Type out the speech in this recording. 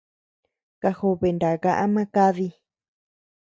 Kajobe naka ama kadi.